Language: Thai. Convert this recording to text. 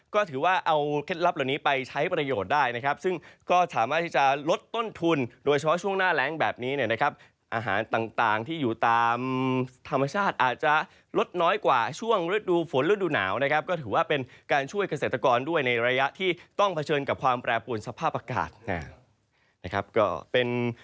ก็ถือว่าเอาเคล็ดลับเหล่านี้ไปใช้ประโยชน์ได้นะครับซึ่งก็สามารถที่จะลดต้นทุนโดยเฉพาะช่วงหน้าแรงแบบนี้เนี่ยนะครับอาหารต่างที่อยู่ตามธรรมชาติอาจจะลดน้อยกว่าช่วงฤดูฝนฤดูหนาวนะครับก็ถือว่าเป็นการช่วยเกษตรกรด้วยในระยะที่ต้องเผชิญกับความแปรปวนสภาพอากาศนะครับก็เป็น